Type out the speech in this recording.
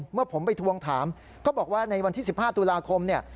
เมื่อผมไปทวงถามก็บอกว่าในวันที่๑๕ตุลาคมเนี่ย